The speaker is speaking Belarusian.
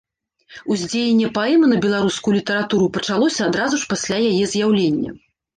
Уздзеянне паэмы на беларускую літаратуру пачалося адразу ж пасля яе з'яўлення.